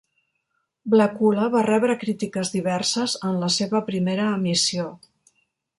"Blacula" va rebre crítiques diverses en la seva primera emissió.